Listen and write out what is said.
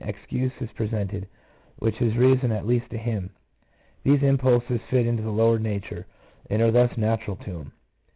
1 1 5 excuse is presented, which is reason at least to him. These impulses fit into his lower nature, and are thus natural to him.